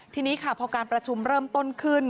ทีนี้ค่ะพอการประชุมเริ่มต้นขึ้น